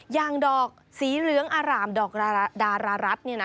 อย่างดอกสีเหลืองอารามดอกดารารัสเนี่ยนะ